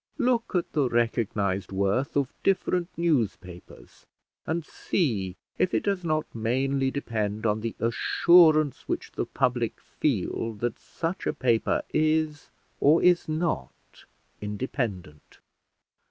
Look at the recognised worth of different newspapers, and see if it does not mainly depend on the assurance which the public feel that such a paper is, or is not, independent.